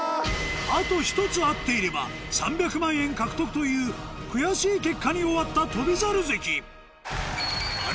あと１つ合っていれば３００万円獲得という悔しい結果に終わった翔猿関